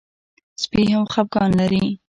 سپي هم خپګان لري.